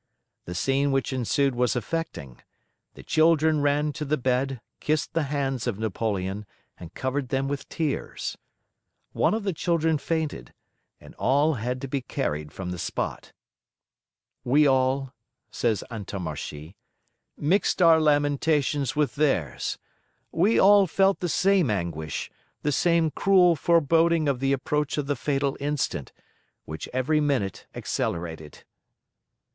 The scene which ensued was affecting: the children ran to the bed, kissed the hands of Napoleon, and covered them with tears. One of the children fainted, and all had to be carried from the spot. "We all," says Antommarchi, "mixed our lamentations with theirs: we all felt the same anguish, the same cruel foreboding of the approach of the fatal instant, which every minute accelerated."